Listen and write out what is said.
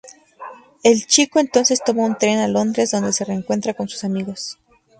El chico entonces toma un tren a Londres, donde se reencuentra con sus amigos.